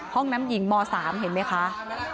ห้องน้ำหญิงม๓เห็นไหมคะ